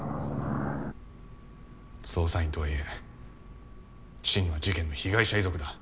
捜査員とはいえ心野は事件の被害者遺族だ。